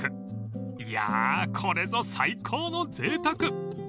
［いやこれぞ最高のぜいたく］